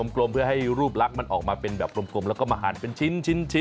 กลมเพื่อให้รูปลักษณ์มันออกมาเป็นแบบกลมแล้วก็มาหั่นเป็นชิ้น